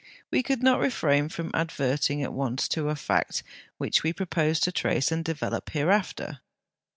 We could not refrain from adverting at once to a fact which we propose to trace and develop hereafter.